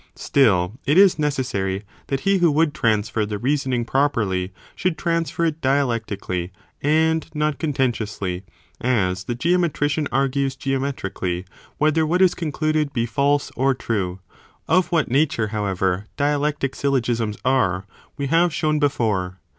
2. Contentious Still, it is necessary that he who would transfer argument tobe the reasoning properly, should transfer it dialec piaaaes tically, and not contentiously, as the geometrician (argues) geometrically, whether what is concluded be false or true; of what nature however, dialectic syllogisms are, we have shown before.